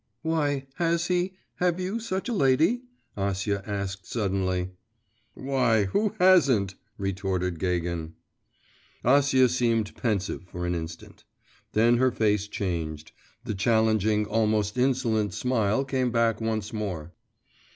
'Why, has he have you such a lady?' Acia asked suddenly. 'Why, who hasn't?' retorted Gagin. Acia seemed pensive for an instant; then her face changed, the challenging, almost insolent smile came back once more.